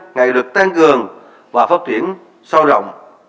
ngày được tăng cường và phát triển sâu rộng